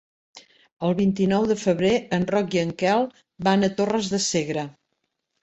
El vint-i-nou de febrer en Roc i en Quel van a Torres de Segre.